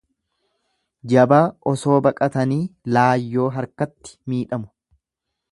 Jabaa osoo baqatanii laayyoo harkatti miidhamu.